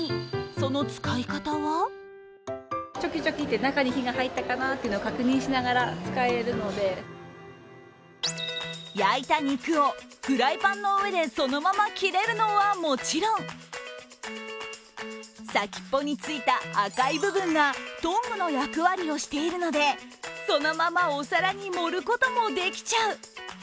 その使い方は焼いた肉をフライパンの上でそのまま切れるのはもちろん先っぽについた赤い部分がトングの役割をしているのでそのままお皿に盛ることもできちゃう。